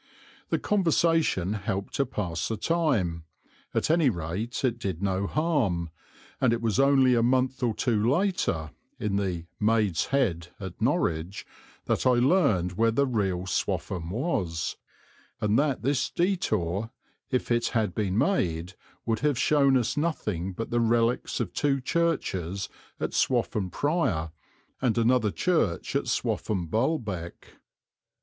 The conversation helped to pass the time; at any rate it did no harm, and it was only a month or two later, in the "Maid's Head" at Norwich, that I learned where the real Swaffham was, and that this detour, if it had been made, would have shown us nothing but the relics of two churches at Swaffham Prior and another church at Swaffham Bulbeck.